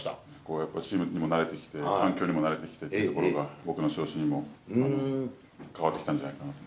やっぱりチームにも慣れてきて、環境にも慣れてきたところが、僕の調子も、変わってきたんじゃないかなと。